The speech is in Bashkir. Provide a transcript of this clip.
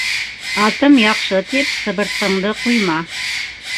Атым яҡшы тип, сыбыртҡыңды ҡуйма.